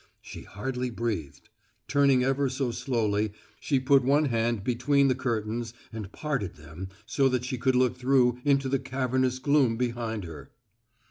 She hardly breathed. Turning ever so slowly, she put one hand between the curtains and parted them so that she could look through into the cavernous gloom behind her.